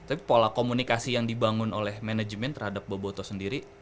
tapi pola komunikasi yang dibangun oleh manajemen terhadap boboto sendiri